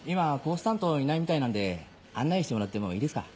担当いないみたいなんで案内してもらってもいいですか？